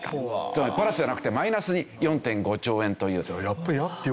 つまりプラスじゃなくてマイナスに４．５兆円という。